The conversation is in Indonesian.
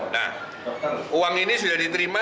nah uang ini sudah diterima